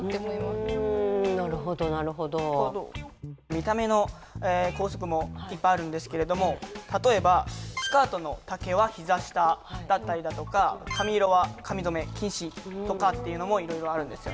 見た目の校則もいっぱいあるんですけれども例えばスカートの丈はひざ下だったりだとか髪色は髪染め禁止とかっていうのもいろいろあるんですよね。